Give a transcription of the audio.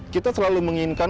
kita selalu menginginkan